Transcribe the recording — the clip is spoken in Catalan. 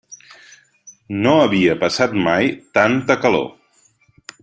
No havia passat mai tanta calor.